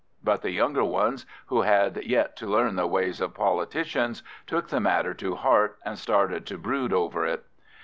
but the younger ones, who had yet to learn the ways of politicians, took the matter to heart, and started to brood over it.